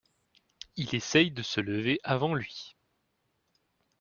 Il essaye de se lever avant lui.